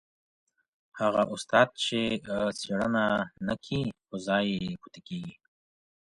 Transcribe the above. هغه استاد چي څېړنه نه کوي په ځای پاته کېږي.